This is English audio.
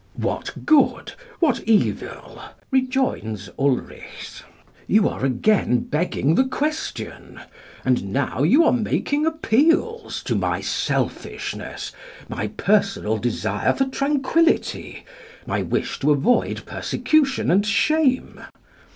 What good, what evil? rejoins Ulrichs. You are again begging the question; and now you are making appeals to my selfishness, my personal desire for tranquillity, my wish to avoid persecution and shame.